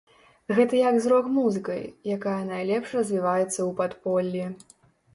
Гэта як з рок-музыкай, якая найлепш развіваецца ў падполлі.